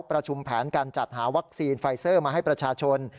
ประชุมแผนการจัดหาวัคซีนไฟเซอร์มาให้ประชาชน